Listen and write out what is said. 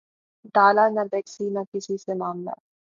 ڈالا نہ بیکسی نے کسی سے معاملہ